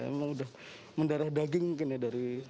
emang udah mendarah daging mungkin ya dari